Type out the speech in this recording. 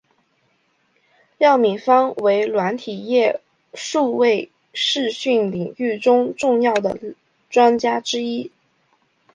廖敏芳为软体业数位视讯领域中重要的专家之一。